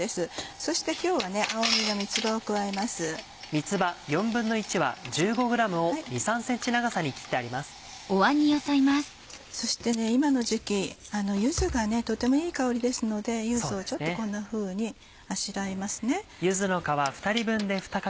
そして今の時期柚子がとてもいい香りですので柚子をちょっとこんなふうにあしらいますね。